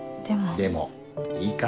でもいいから。